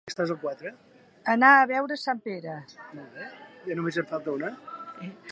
Anar a veure Sant Pere.